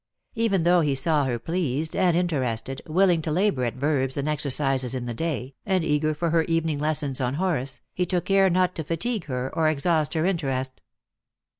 Even though 'he saw her pleased and interested, willing to labour at verbs and exercises in the day, and eager for her evening lesson on Horace, he took care not to fatigue her or exhaust her interest.